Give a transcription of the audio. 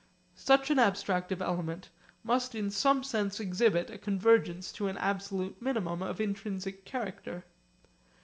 Such an abstractive element must in some sense exhibit a convergence to an absolute minimum of intrinsic character.